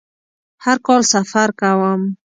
هر کال سفر کوم